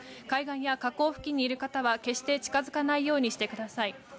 海岸や河口付近にいる方は決して近づかないようにしてください。